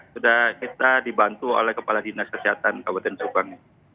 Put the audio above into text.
sudah kita dibantu oleh kepala dinas kesehatan kabupaten subang